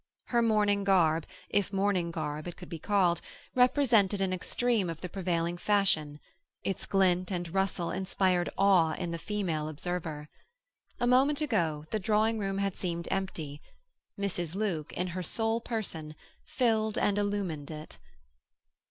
Her mourning garb, if mourning it could be called, represented an extreme of the prevailing fashion; its glint and rustle inspired awe in the female observer. A moment ago the drawing room had seemed empty; Mrs. Luke, in her sole person, filled and illumined it.